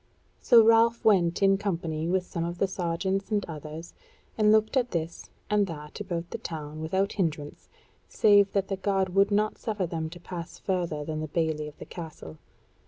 So Ralph went in company with some of the sergeants and others, and looked at this and that about the town without hindrance, save that the guard would not suffer them to pass further than the bailey of the Castle.